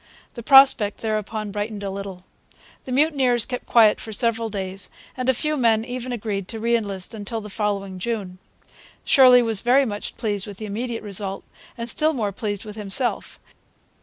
The prospect thereupon brightened a little. The mutineers kept quiet for several days, and a few men even agreed to re enlist until the following June. Shirley was very much pleased with the immediate result, and still more pleased with himself.